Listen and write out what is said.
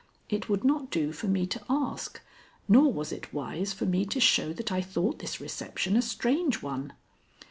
It would not do for me to ask, nor was it wise for me to show that I thought this reception a strange one.